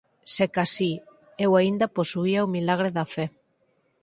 Secasí, eu aínda posuía o milagre da fe.